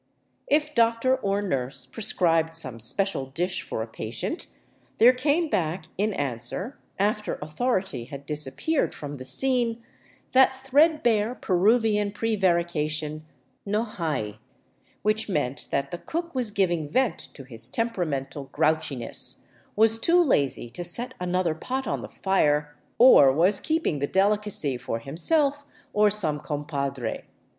If doctor or nurse prescribed some special dish for a patient, there came back in answer — after authority had dis appeared from the scene — that threadbare Peruvian prevarication, *' No hay "; which meant that the cook was giving vent to his tempera mental grouchiness, was too lazy to set another pot on the fire, or was keeping the delicacy for himself or some " compadre."